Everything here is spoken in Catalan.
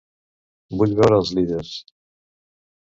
Vull veure els líders.